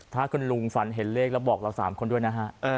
ถ้าคุณลุงฝันเห็นเลขแล้วบอกเรา๓คนด้วยนะฮะ